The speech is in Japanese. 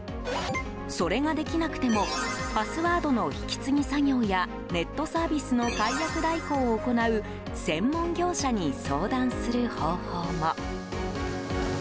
それができなくてもパスワードの引き継ぎ作業やネットサービスの解約代行を行う専門業者に相談する方法も。